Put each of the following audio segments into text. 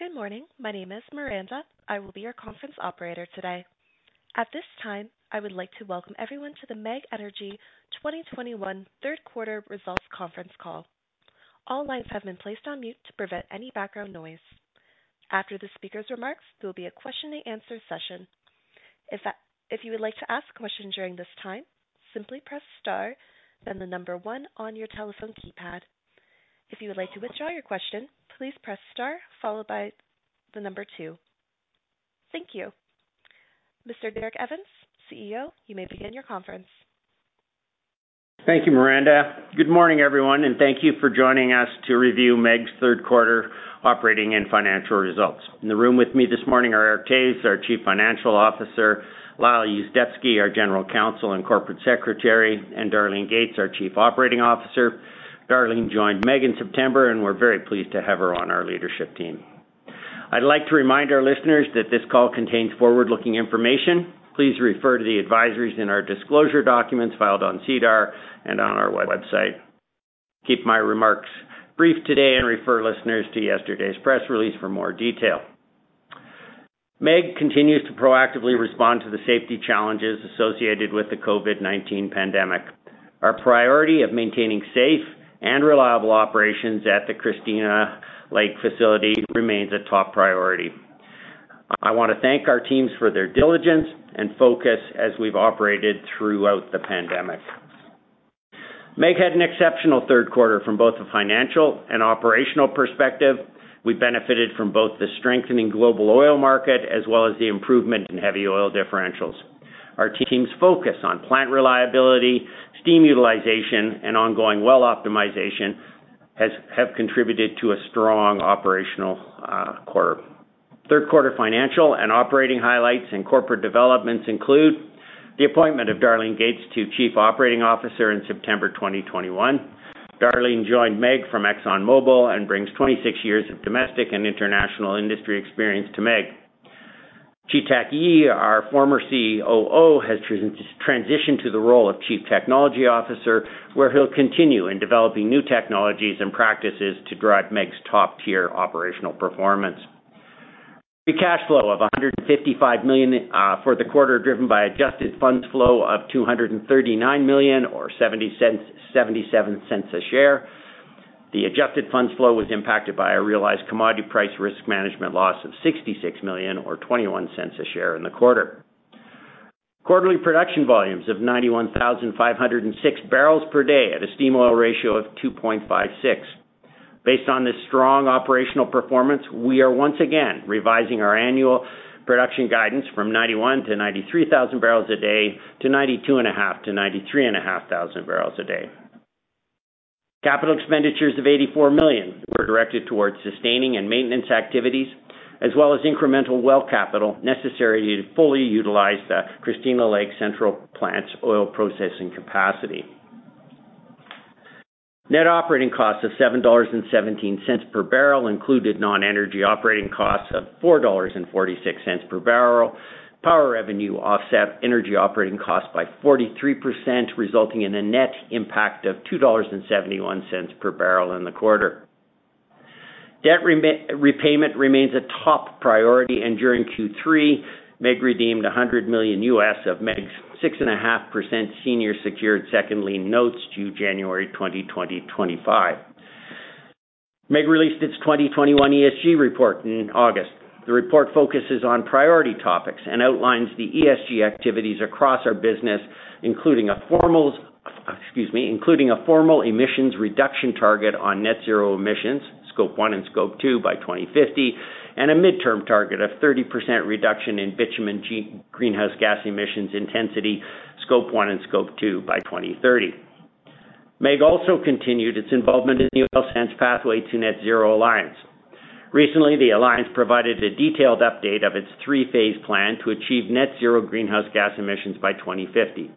Good morning. My name is Miranda. I will be your conference operator today. At this time, I would like to welcome everyone to the MEG Energy 2021 third quarter results conference call. All lines have been placed on mute to prevent any background noise. After the speaker's remarks, there will be a question-and-answer session. If you would like to ask a question during this time, simply press star, then the number one on your telephone keypad. If you would like to withdraw your question, please press star followed by the number two. Thank you. Mr. Derek Evans, CEO, you may begin your conference. Thank you, Miranda. Good morning, everyone, and thank you for joining us to review MEG's third quarter operating and financial results. In the room with me this morning Eric Toews, our Chief Financial Officer, Lyle Yuzdepski, our General Counsel and Corporate Secretary, and Darlene Gates, our Chief Operating Officer. Darlene joined MEG in September, and we're very pleased to have her on our leadership team. I'd like to remind our listeners that this call contains forward-looking information. Please refer to the advisories in our disclosure documents filed on SEDAR and on our website. Keep my remarks brief today and refer listeners to yesterday's press release for more detail. MEG continues to proactively respond to the safety challenges associated with the COVID-19 pandemic. Our priority of maintaining safe and reliable operations at the Christina Lake facility remains a top priority. I wanna thank our teams for their diligence and focus as we've operated throughout the pandemic. MEG had an exceptional third quarter from both a financial and operational perspective. We benefited from both the strengthening global oil market as well as the improvement in heavy oil differentials. Our team's focus on plant reliability, steam utilization, and ongoing well optimization has contributed to a strong operational quarter. Third quarter financial and operating highlights and corporate developments include the appointment of Darlene Gates to Chief Operating Officer in September 2021. Darlene joined MEG from ExxonMobil and brings 26 years of domestic and international industry experience to MEG. Chi-Tak Yee, our former COO, has transitioned to the role of Chief Technology Officer, where he'll continue in developing new technologies and practices to drive MEG's top-tier operational performance. The cash flow of 155 million for the quarter, driven by adjusted funds flow of 239 million or 0.70, 0.77 a share. The adjusted funds flow was impacted by a realized commodity price risk management loss of 66 million or 0.21 a share in the quarter. Quarterly production volumes of 91,506 barrels per day at a steam oil ratio of 2.56. Based on this strong operational performance, we are once again revising our annual production guidance from 91,000-93,000 barrels a day to 92,500-93,500 barrels a day. Capital expenditures of 84 million were directed towards sustaining and maintenance activities, as well as incremental well capital necessary to fully utilize the Christina Lake Central plant's oil processing capacity. Net operating costs of 7.17 dollars per barrel included non-energy operating costs of 4.46 dollars per barrel. Power revenue offset energy operating costs by 43%, resulting in a net impact of 2.71 dollars per barrel in the quarter. Repayment remains a top priority, and during Q3, MEG redeemed $100 million of MEG's 6.5% senior secured second lien notes due January 20, 2025. MEG released its 2021 ESG report in August. The report focuses on priority topics and outlines the ESG activities across our business, including a formal emissions reduction target on net zero emissions, Scope 1 and Scope 2 by 2050, and a midterm target of 30% reduction in bitumen greenhouse gas emissions intensity, Scope 1 and Scope 2 by 2030. MEG also continued its involvement in the Oil Sands Pathways to Net Zero alliance. Recently, the alliance provided a detailed update of its three-phase plan to achieve net zero greenhouse gas emissions by 2050.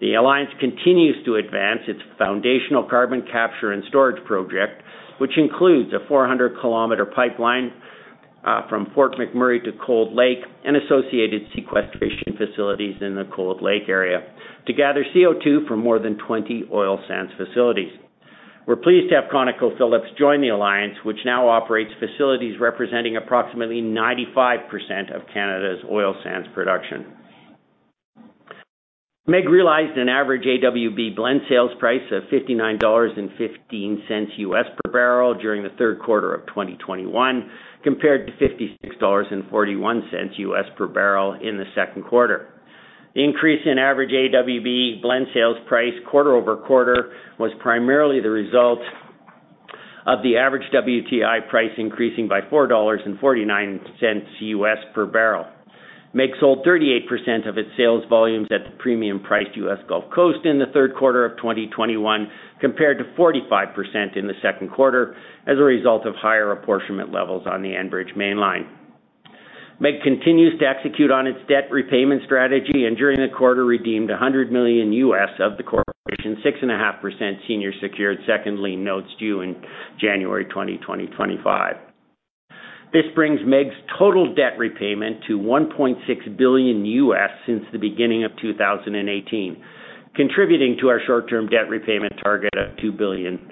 The alliance continues to advance its foundational carbon capture and storage project, which includes a 400 km pipeline from Fort McMurray to Cold Lake and associated sequestration facilities in the Cold Lake area to gather CO2 from more than 20 oil sands facilities. We're pleased to have ConocoPhillips join the alliance, which now operates facilities representing approximately 95% of Canada's oil sands production. MEG realized an average AWB blend sales price of $59.15 per barrel during the third quarter of 2021, compared to $56.41 US per barrel in the second quarter. The increase in average AWB blend sales price quarter over quarter was primarily the result of the average WTI price increasing by $4.49 per barrel. MEG sold 38% of its sales volumes at the premium-priced U.S. Gulf Coast in the third quarter of 2021, compared to 45% in the second quarter, as a result of higher apportionment levels on the Enbridge Mainline. MEG continues to execute on its debt repayment strategy, and during the quarter, redeemed $100 million of the corporation's 6.5% senior secured second lien notes due in January 2025. This brings MEG's total debt repayment to $1.6 billion since the beginning of 2018, contributing to our short-term debt repayment target of $2 billion.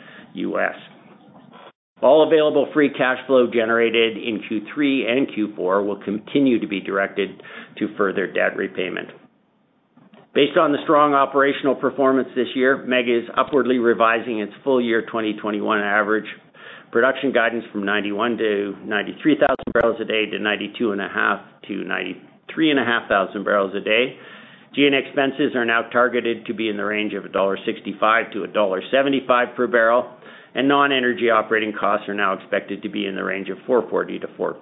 All available free cash flow generated in Q3 and Q4 will continue to be directed to further debt repayment. Based on the strong operational performance this year, MEG is upwardly revising its full year 2021 average production guidance from 91,000-93,000 barrels a day to 92,500-93,500 barrels a day. G&A expenses are now targeted to be in the range of 1.65-1.75 dollar per barrel, and non-energy operating costs are now expected to be in the range of 4.40-4.50.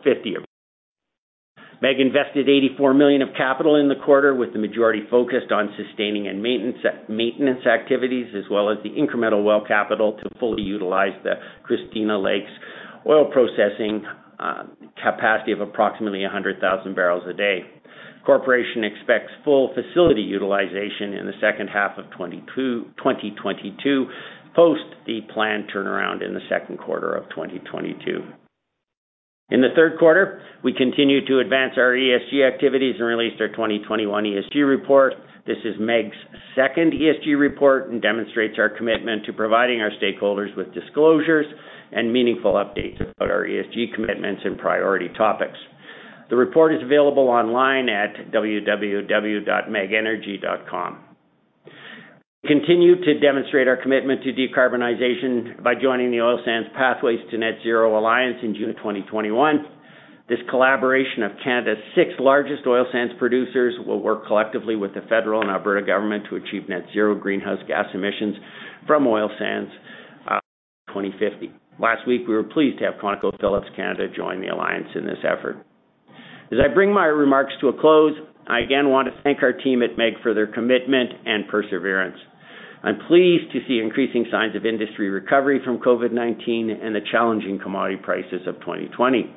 MEG invested 84 million of capital in the quarter, with the majority focused on sustaining and maintenance activities, as well as the incremental well capital to fully utilize the Christina Lake oil processing capacity of approximately 100,000 barrels a day. Corporation expects full facility utilization in the second half of 2022, post the planned turnaround in the second quarter of 2022. In the third quarter, we continued to advance our ESG activities and released our 2021 ESG report. This is MEG's second ESG report and demonstrates our commitment to providing our stakeholders with disclosures and meaningful updates about our ESG commitments and priority topics. The report is available online at www.megenergy.com. We continue to demonstrate our commitment to decarbonization by joining the Oil Sands Pathways to Net Zero alliance in June 2021. This collaboration of Canada's six largest oil sands producers will work collectively with the federal and Alberta government to achieve net zero greenhouse gas emissions from oil sands by 2050. Last week, we were pleased to have ConocoPhillips Canada join the alliance in this effort. As I bring my remarks to a close, I again want to thank our team at MEG for their commitment and perseverance. I'm pleased to see increasing signs of industry recovery from COVID-19 and the challenging commodity prices of 2020.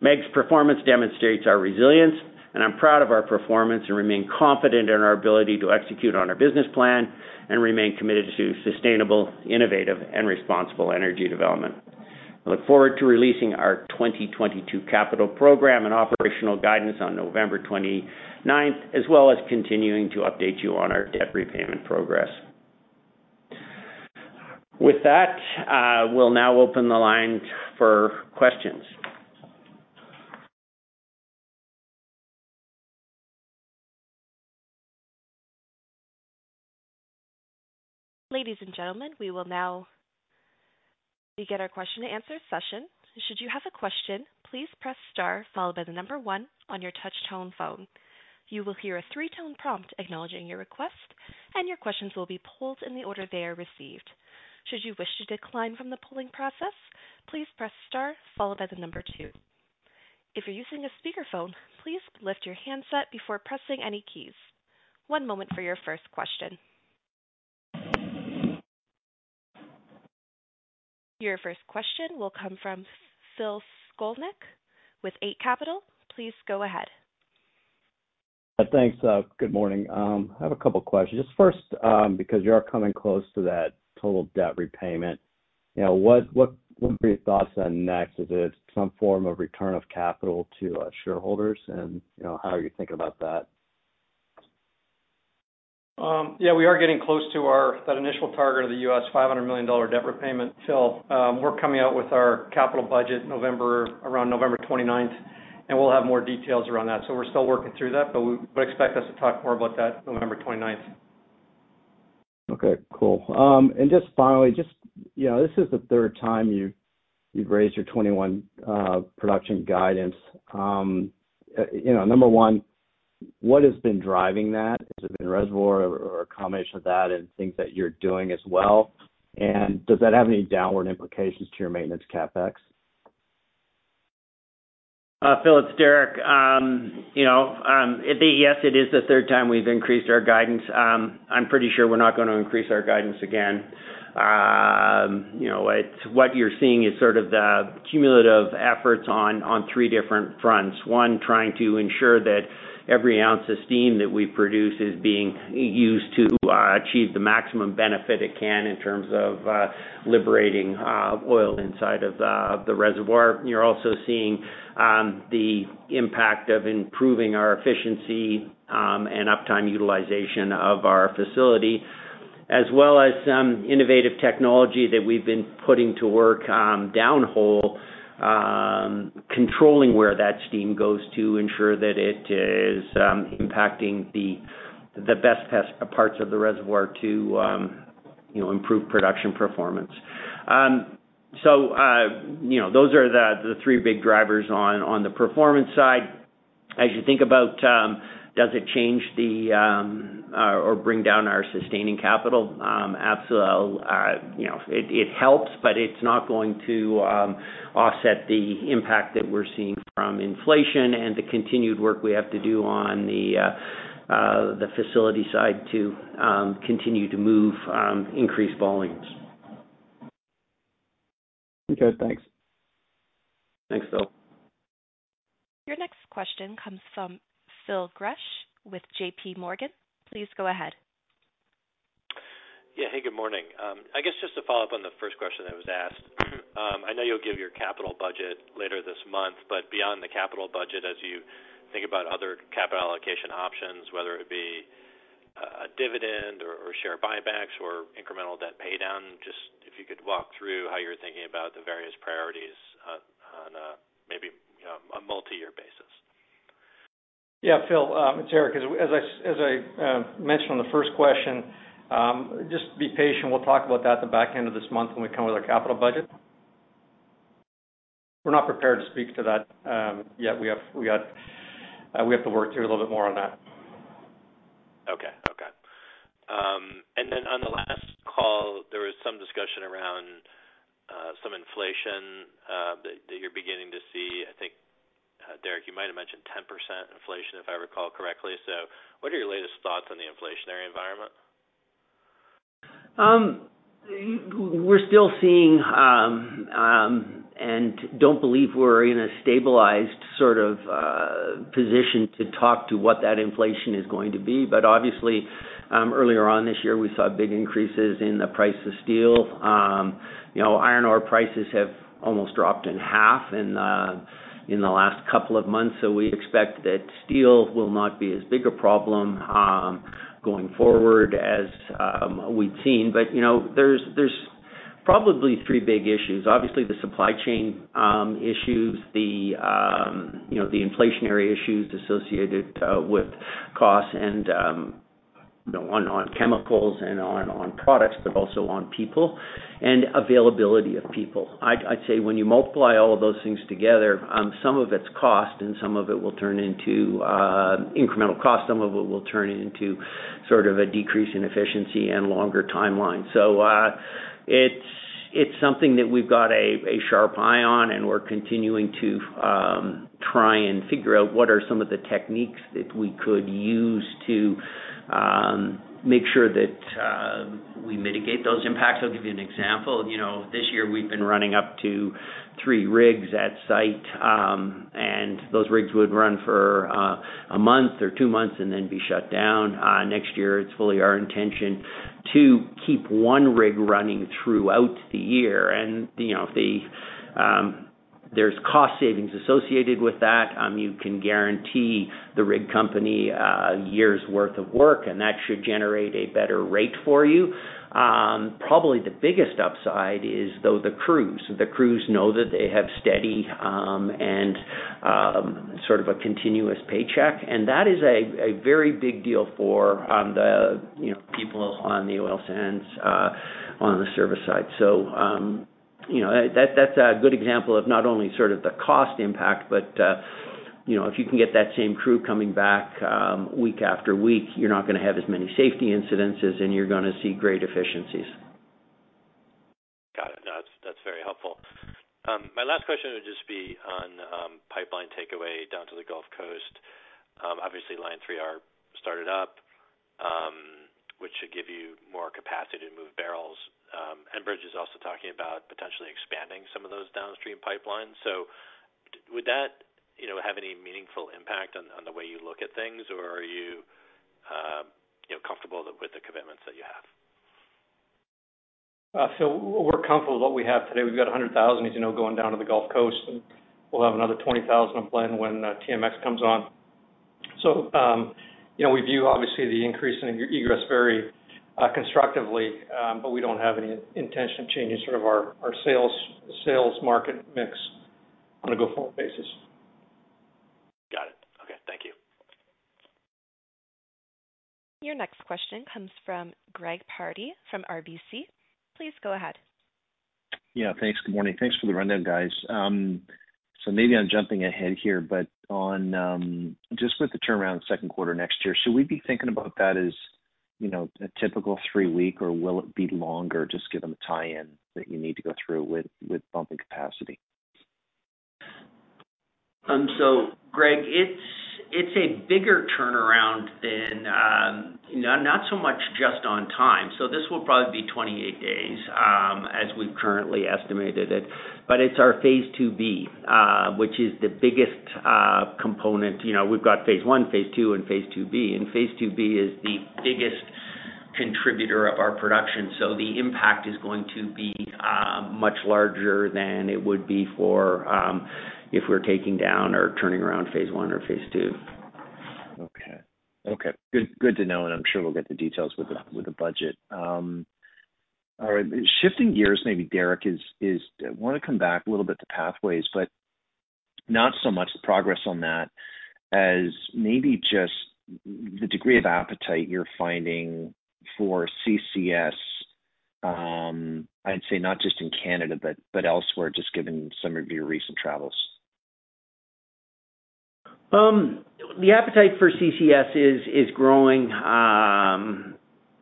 MEG's performance demonstrates our resilience, and I'm proud of our performance and remain confident in our ability to execute on our business plan and remain committed to sustainable, innovative, and responsible energy development. I look forward to releasing our 2022 capital program and operational guidance on November 29th, as well as continuing to update you on our debt repayment progress. With that, we'll now open the line for questions. Ladies and gentlemen, we will now begin our question-and-answer session. Should you have a question, please press star followed by one on your touch-tone phone. You will hear a three-tone prompt acknowledging your request, and your questions will be pulled in the order they are received. Should you wish to decline from the polling process, please press star followed by two. If you're using a speakerphone, please lift your handset before pressing any keys. One moment for your first question. Your first question will come from Phil Skolnick with Eight Capital. Please go ahead. Thanks. Good morning. I have a couple questions. Just first, because you are coming close to that total debt repayment, what are your thoughts on next? Is it some form of return of capital to shareholders? How are you thinking about that? We are getting close to our that initial target of the $500 million debt repayment, Phil. We're coming out with our capital budget November around November 29th, and we'll have more details around that. We're still working through that, but expect us to talk more about that November 29th. Okay, cool. Just finally, you know, this is the third time you've raised your 2021 production guidance. You know, number one, what has been driving that? Has it been reservoir or a combination of that and things that you're doing as well? Does that have any downward implications to your maintenance CapEx? Phil, it's Derek. You know, yes, it is the third time we've increased our guidance. I'm pretty sure we're not gonna increase our guidance again. You know, what you're seeing is sort of the cumulative efforts on three different fronts. One, trying to ensure that every ounce of steam that we produce is being used to achieve the maximum benefit it can in terms of liberating oil inside of the reservoir. You're also seeing the impact of improving our efficiency and uptime utilization of our facility, as well as some innovative technology that we've been putting to work downhole, controlling where that steam goes to ensure that it is impacting the best parts of the reservoir to you know, improve production performance. You know, those are the three big drivers on the performance side. As you think about, does it change or bring down our sustaining capital? You know, it helps, but it's not going to offset the impact that we're seeing from inflation and the continued work we have to do on the facility side to continue to move increased volumes. Okay, thanks. Thanks, Phil. Your next question comes from Phil Gresh with JPMorgan. Please go ahead. Yeah. Hey, good morning. I guess just to follow up on the first question that was asked. I know you'll give your capital budget later this month, but beyond the capital budget, as you think about other capital allocation options, whether it be a dividend or share buybacks or incremental debt pay down, just if you could walk through how you're thinking about the various priorities on maybe a multi-year basis. Yeah. Phil, it's Eric. As I mentioned on the first question, just be patient. We'll talk about that at the back end of this month when we come with our capital budget. We're not prepared to speak to that yet. We have to work through a little bit more on that. Okay. On the last call, there was some discussion around some inflation that you're beginning to see. I think, Derek, you might have mentioned 10% inflation, if I recall correctly. What are your latest thoughts on the inflationary environment? We're still seeing and we don't believe we're in a stabilized sort of position to talk about what that inflation is going to be. Obviously, earlier on this year, we saw big increases in the price of steel. You know, iron ore prices have almost dropped in half in the last couple of months. We expect that steel will not be as big a problem going forward as we'd seen. You know, there's probably three big issues. Obviously, the supply chain issues, you know, the inflationary issues associated with costs and, you know, on chemicals and on products, but also on people and availability of people. I'd say when you multiply all of those things together, some of it's cost and some of it will turn into incremental cost. Some of it will turn into sort of a decrease in efficiency and longer timeline. It's something that we've got a sharp eye on, and we're continuing to try and figure out what are some of the techniques that we could use to make sure that we mitigate those impacts. I'll give you an example. You know, this year we've been running up to three rigs at site, and those rigs would run for a month or two months and then be shut down. Next year, it's fully our intention to keep one rig running throughout the year. You know, there's cost savings associated with that. You can guarantee the rig company a year's worth of work, and that should generate a better rate for you. Probably the biggest upside is, though, the crews. The crews know that they have steady, and sort of a continuous paycheck. That is a very big deal for the, you know, people on the oil sands, on the service side. You know, that's a good example of not only sort of the cost impact, but, you know, if you can get that same crew coming back, week after week, you're not gonna have as many safety incidents and you're gonna see great efficiencies. Got it. No, that's very helpful. My last question would just be on pipeline takeaway down to the Gulf Coast. Obviously, Line 3 has started up, which should give you more capacity to move barrels. Enbridge is also talking about potentially expanding some of those downstream pipelines. Would that, you know, have any meaningful impact on the way you look at things, or are you know, comfortable with the commitments that you have? We're comfortable with what we have today. We've got 100,000, as you know, going down to the Gulf Coast, and we'll have another 20,000 on plan when TMX comes on. You know, we view obviously the increase in egress very constructively, but we don't have any intention of changing sort of our sales market mix on a go-forward basis. Got it. Okay. Thank you. Your next question comes from Greg Pardy from RBC. Please go ahead. Yeah, thanks. Good morning. Thanks for the rundown, guys. Maybe I'm jumping ahead here, but on just with the turnaround second quarter next year, should we be thinking about that as, you know, a typical three-week, or will it be longer? Just give them a tie-in that you need to go through with bumping capacity. Greg, it's a bigger turnaround than not so much just on time. This will probably be 28 days as we've currently estimated it. It's our Phase 2B which is the biggest component. You know, we've got Phase 1, Phase 2, and Phase 2B. Phase 2B is the biggest contributor of our production. The impact is going to be much larger than it would be for if we're taking down or turning around Phase 1 or Phase 2. Okay. Good to know, and I'm sure we'll get the details with the budget. All right, shifting gears, maybe Derek wanna come back a little bit to Pathways, but not so much the progress on that as maybe just the degree of appetite you're finding for CCS, I'd say not just in Canada, but elsewhere, just given some of your recent travels. The appetite for CCS is growing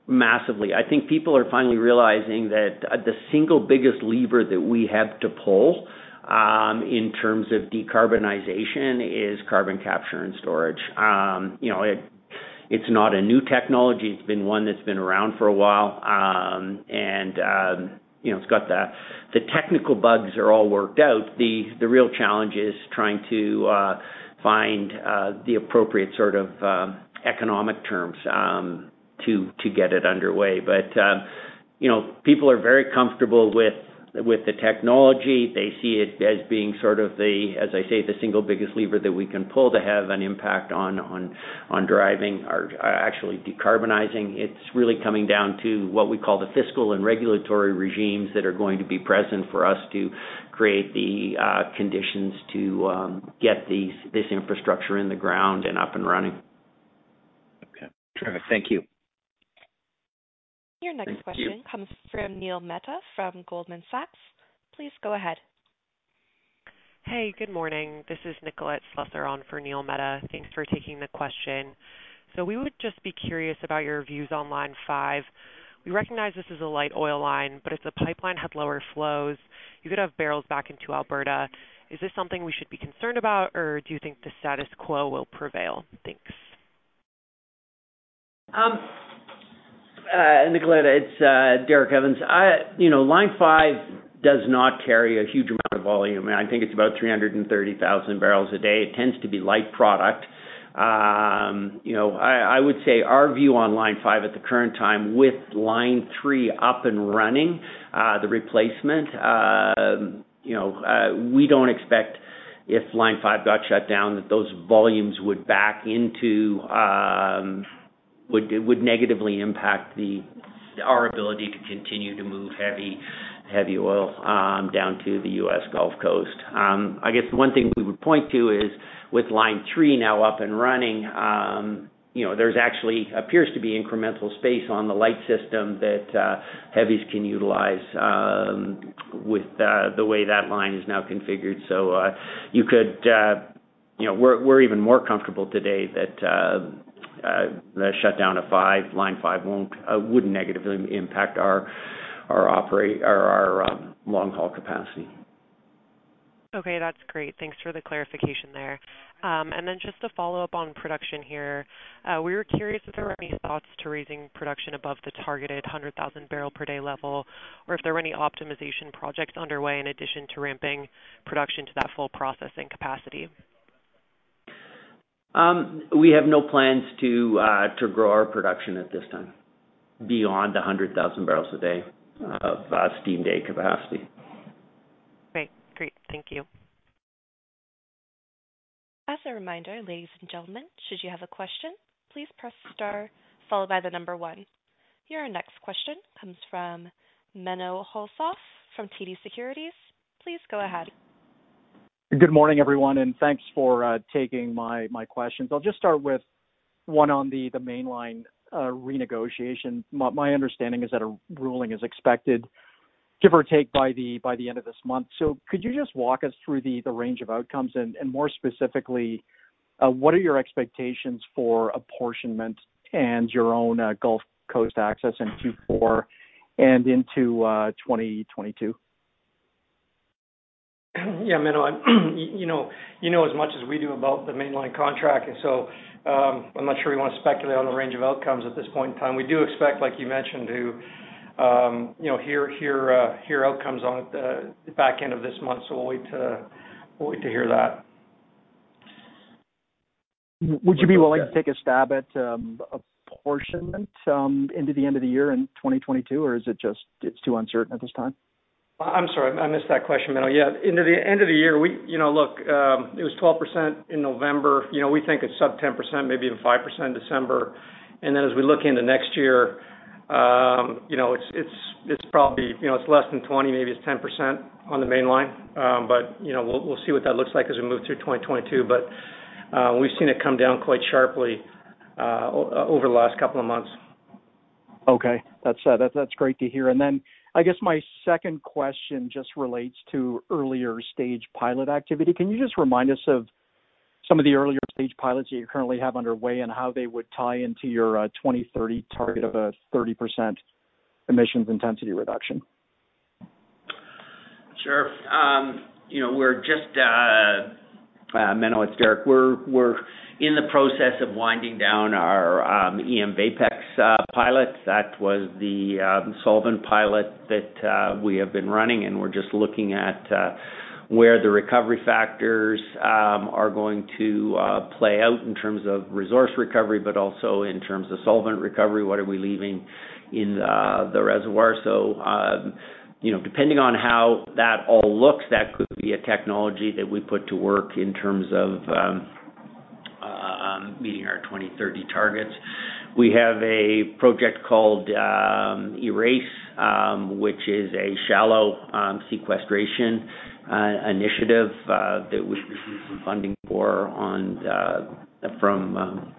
massively. I think people are finally realizing that the single biggest lever that we have to pull in terms of decarbonization is carbon capture and storage. You know, it's not a new technology. It's been one that's been around for a while. You know, it's got the technical bugs all worked out. The real challenge is trying to find the appropriate sort of economic terms to get it underway. You know, people are very comfortable with the technology. They see it as being sort of the, as I say, the single biggest lever that we can pull to have an impact on driving or actually decarbonizing. It's really coming down to what we call the fiscal and regulatory regimes that are going to be present for us to create the conditions to get this infrastructure in the ground and up and running. Okay. Thank you. Your next question comes from Neil Mehta from Goldman Sachs. Please go ahead. Hey, good morning. This is Nicolette Slusser on for Neil Mehta. Thanks for taking the question. We would just be curious about your views on Line 5. We recognize this is a light oil line, but if the pipeline had lower flows, you could have barrels back into Alberta. Is this something we should be concerned about, or do you think the status quo will prevail? Thanks. Nicolette, it's Derek Evans. You know, Line 5 does not carry a huge amount of volume, and I think it's about 330,000 barrels a day. It tends to be light product. You know, I would say our view on Line 5 at the current time with Line 3 up and running, the replacement, you know, we don't expect if Line 5 got shut down, that those volumes would back into, would negatively impact our ability to continue to move heavy oil down to the U.S. Gulf Coast. I guess one thing we would point to is with Line 3 now up and running, you know, there actually appears to be incremental space on the light system that heavies can utilize with the way that line is now configured. You know, we're even more comfortable today that the shutdown of Line 5 won't negatively impact our long-haul capacity. Okay. That's great. Thanks for the clarification there. Just to follow up on production here, we were curious if there were any thoughts to raising production above the targeted 100,000 barrel per day level or if there were any optimization projects underway in addition to ramping production to that full processing capacity? We have no plans to grow our production at this time beyond 100,000 barrels a day of steam day capacity. Great. Thank you. As a reminder, ladies and gentlemen, should you have a question, please press star followed by one. Your next question comes from Menno Hulshof from TD Securities. Please go ahead. Good morning, everyone, and thanks for taking my questions. I'll just start with one on the Mainline renegotiation. My understanding is that a ruling is expected, give or take, by the end of this month. Could you just walk us through the range of outcomes? More specifically, what are your expectations for apportionment and your own Gulf Coast access in 2024 and into 2022? Yeah, Menno, you know as much as we do about the Mainline contract, and so, I'm not sure we wanna speculate on the range of outcomes at this point in time. We do expect, like you mentioned, to you know hear outcomes on the back end of this month. We'll wait to hear that. Would you be willing to take a stab at apportionment into the end of the year in 2022, or is it just too uncertain at this time? I'm sorry, I missed that question, Menno. Yeah, into the end of the year, you know, look, it was 12% in November. You know, we think it's sub-10%, maybe even 5% in December. Then as we look into next year, you know, it's probably, you know, it's less than 20%, maybe it's 10% on the mainline. You know, we'll see what that looks like as we move through 2022, but we've seen it come down quite sharply over the last couple of months. Okay. That's great to hear. I guess my second question just relates to earlier stage pilot activity. Can you just remind us of some of the earlier stage pilots that you currently have underway and how they would tie into your 2030 target of a 30% emissions intensity reduction? Sure. You know, we're just, Menno, it's Derek. We're in the process of winding down our eMVAPEX pilots. That was the solvent pilot that we have been running, and we're just looking at where the recovery factors are going to play out in terms of resource recovery, but also in terms of solvent recovery. What are we leaving in the reservoir? You know, depending on how that all looks, that could be a technology that we put to work in terms of meeting our 2030 targets. We have a project called ERASE, which is a shallow sequestration initiative that we've received some funding for from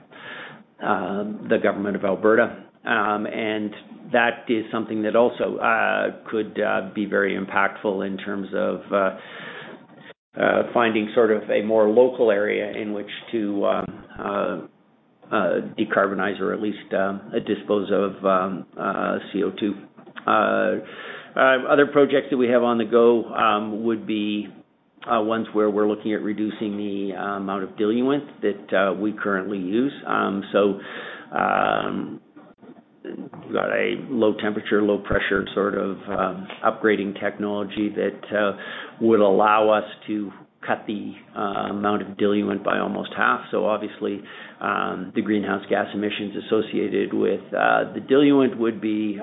the government of Alberta. That is something that also could be very impactful in terms of finding sort of a more local area in which to decarbonize or at least dispose of CO2. Other projects that we have on the go would be ones where we're looking at reducing the amount of diluent that we currently use. Got a low temperature, low pressure sort of upgrading technology that would allow us to cut the amount of diluent by almost half. Obviously, the greenhouse gas emissions associated with the diluent would be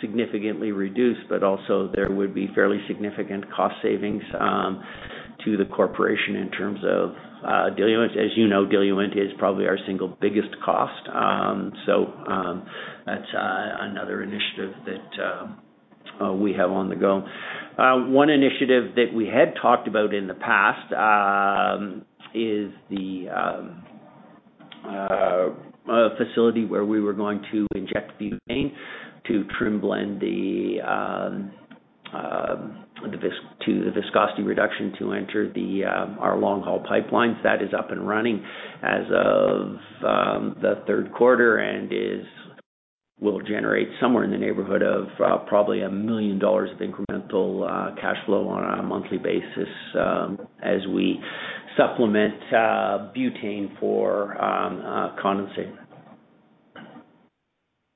significantly reduced, but also there would be fairly significant cost savings to the corporation in terms of diluent. As you know, diluent is probably our single biggest cost. That's another initiative that we have on the go. One initiative that we had talked about in the past is a facility where we were going to inject butane to trim-blend the viscosity reduction to enter our long-haul pipelines. That is up and running as of the third quarter and will generate somewhere in the neighborhood of probably 1 million dollars of incremental cash flow on a monthly basis as we supplement butane for condensate.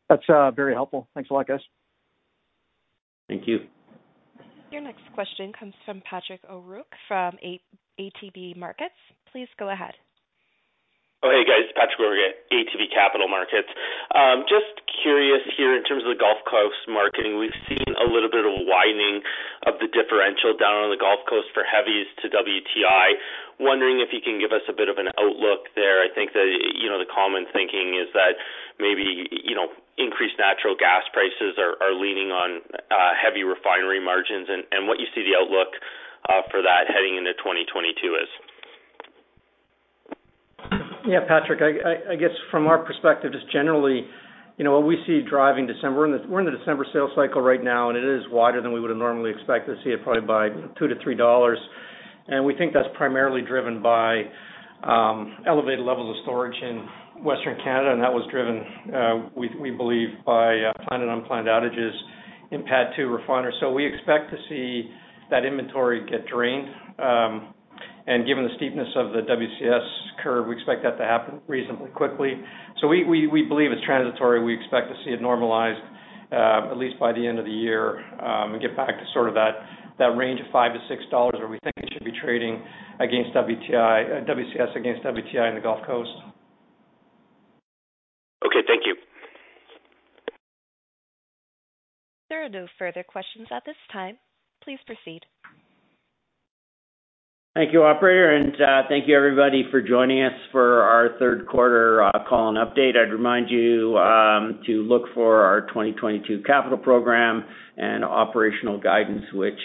That's very helpful. Thanks a lot, guys. Thank you. Your next question comes from Patrick O'Rourke from ATB Capital Markets. Please go ahead. Oh, hey, guys. Patrick O'Rourke at ATB Capital Markets. Just curious here in terms of the Gulf Coast marketing, we've seen a little bit of a widening of the differential down on the Gulf Coast for heavies to WTI. Wondering if you can give us a bit of an outlook there. I think that, you know, the common thinking is that maybe, you know, increased natural gas prices are leaning on heavy refinery margins and what you see the outlook for that heading into 2022 is. Yeah, Patrick, I guess from our perspective, just generally, you know, what we see driving December, and we're in the December sales cycle right now, and it is wider than we would have normally expected to see it, probably by 2-3 dollars. We think that's primarily driven by elevated levels of storage in Western Canada, and that was driven, we believe, by planned and unplanned outages in PADD 2 refiners. We expect to see that inventory get drained. And given the steepness of the WCS curve, we expect that to happen reasonably quickly. We believe it's transitory. We expect to see it normalized at least by the end of the year and get back to sort of that range of 5-6 dollars where we think it should be trading WCS against WTI in the Gulf Coast. Okay, thank you. There are no further questions at this time. Please proceed. Thank you, operator, and thank you everybody for joining us for our third quarter call and update. I'd remind you to look for our 2022 capital program and operational guidance, which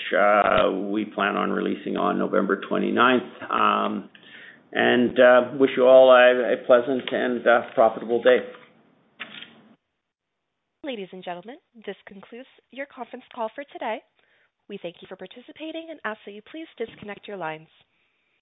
we plan on releasing on November 29th. Wish you all a pleasant and profitable day. Ladies and gentlemen, this concludes your conference call for today. We thank you for participating and ask that you please disconnect your lines.